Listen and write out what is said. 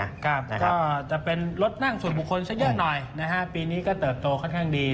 ใช่ครับก็แต่เป็นรถนั่งสูญบุคคลจะเยอะหน่อยปีนี้ก็เติบโตค่อนข้างดี